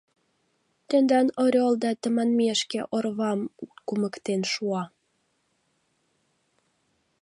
— Тендан Орелда тыманмешке орвам кумыктен шуа.